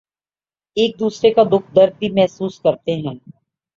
ایک دوسرے کا دکھ درد بھی محسوس کرتے ہیں